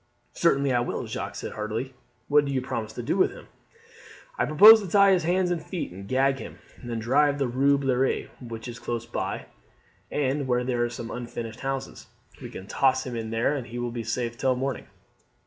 "Certainly I will," Jacques said heartily. "What do you propose to do with him?" "I propose to tie his hands and feet and gag him, and then drive to the Rue Bluert, which is close by, and where there are some unfinished houses. We can toss him in there, and he will be safe till morning.